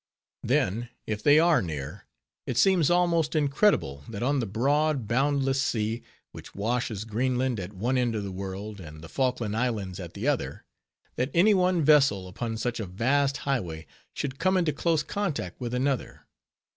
Then, if they are near, it seems almost incredible that on the broad, boundless sea, which washes Greenland at one end of the world, and the Falkland Islands at the other, that any one vessel upon such a vast highway, should come into close contact with another.